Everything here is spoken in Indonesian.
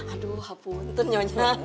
aduh hapunten nyonya